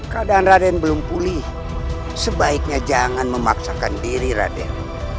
keadaan raden belum pulih sebaiknya jangan memaksakan diri raden